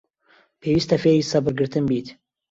پێویستە فێری سەبرگرتن بیت.